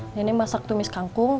nini masak tumis kangkung